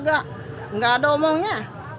tidak tidak ada omongnya